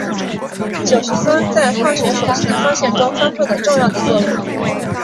酒石酸在化学手性的发现中发挥了重要的作用。